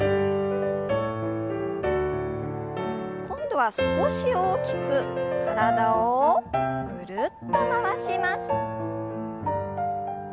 今度は少し大きく体をぐるっと回します。